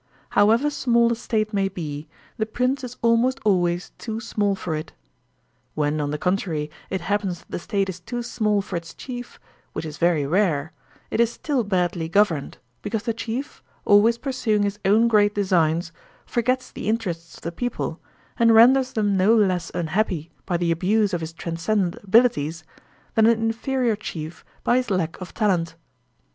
However small a State may be, the prince is almost always too small for it. When, on the contrary, it hap pens that the State is too small for its chief, which is very rare, it is still badly governed, because the chief, s 66 THE SOCIAL CONTRACT always pursuing his own great designs, forgets the inter ests of the people, and renders them no less unhappy by the abuse of his transcendent abilities, than an inferior chief by his lack of talent.